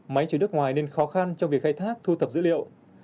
máy chứa nước ngoài nên khó khăn trong việc khai thác thu thập dữ liệu